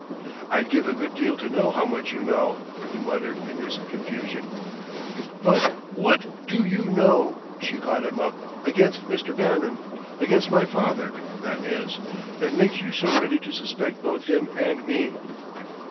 "I'd give a good deal to know how much you know," he muttered in his confusion. "But what do you know?" she caught him up "against Mr. Bannon against my father, that is that makes you so ready to suspect both him and me?"